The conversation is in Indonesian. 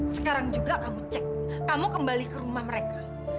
sekarang juga kamu cek kamu kembali ke rumah mereka